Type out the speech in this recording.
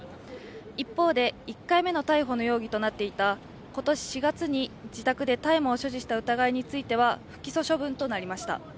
一方で、１回目の逮捕の容疑となっていた今年４月に自宅で大麻を所持した疑いについては不起訴処分となりました。